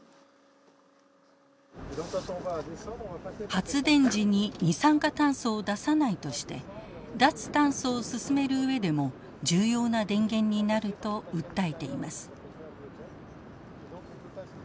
発電時に二酸化炭素を出さないとして脱炭素を進める上でも重要な電源になると訴えています。